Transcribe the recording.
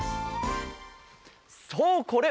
そうこれ！